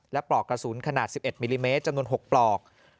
และปลอกกระสุนขนาด๑๑มิลลิเมตรจำนวน๖ปลอก